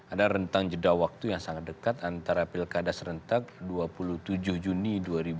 ada rentang jeda waktu yang sangat dekat antara pilkada serentak dua puluh tujuh juni dua ribu dua puluh